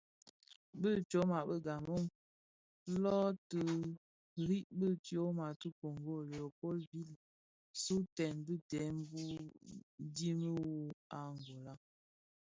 Bi tyoma ti a Gabon loň ti irig bi tyoma ti a Kongo Léo Paul Ville zugtèn bi ndem wu dhim wu a Angola.